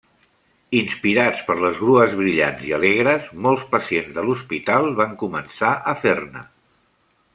Inspirats per les grues brillants i alegres, molts pacients de l’hospital van començar a fer-ne.